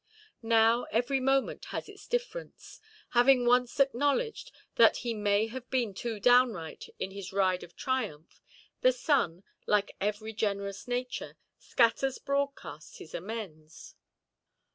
Now every moment has its difference. Having once acknowledged that he may have been too downright in his ride of triumph, the sun, like every generous nature, scatters broadcast his amends.